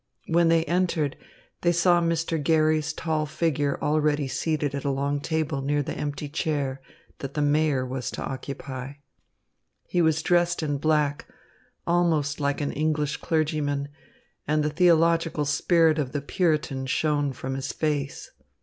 When they entered, they saw Mr. Garry's tall figure already seated at a long table near the empty chair that the Mayor was to occupy. He was dressed in black, almost like an English clergyman, and the theological spirit of the Puritan shone from his face.